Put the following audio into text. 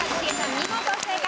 見事正解。